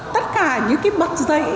tất cả những cái bật dậy